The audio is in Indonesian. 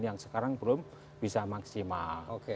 yang sekarang belum bisa maksimal